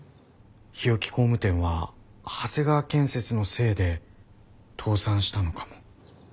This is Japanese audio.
日置工務店は長谷川建設のせいで倒産したのかも。